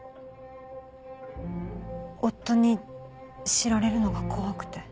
夫に知られるのが怖くて。